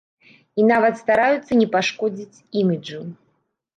І нават стараюцца не пашкодзіць іміджу.